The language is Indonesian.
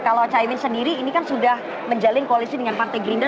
kalau caimin sendiri ini kan sudah menjalin koalisi dengan partai gerindra